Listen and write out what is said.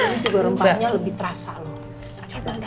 ini juga rempahnya lebih terasa loh